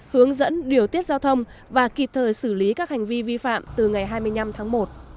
hướng dẫn điều tiết giao thông và kịp thời xử lý các hành vi vi phạm từ ngày hai mươi năm tháng một